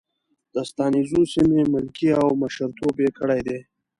د ستانکزو سیمې ملکي او مشرتوب یې کړی دی.